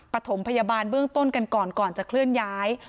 ปฐมพยาบาลเบื้องต้นกันก่อนก่อนจะเคลื่อนย้าย